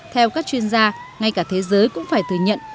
theo các chuyên gia ngay cả thế giới cũng phải thừa nhận